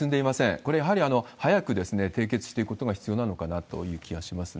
これ、やはり早く締結していくことが必要なのかなという気がしますね。